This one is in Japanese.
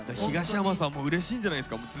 東山さんもうれしいんじゃないですか？